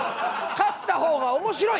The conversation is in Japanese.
勝った方が面白い！